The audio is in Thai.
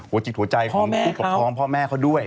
จิตหัวใจของผู้ปกครองพ่อแม่เขาด้วย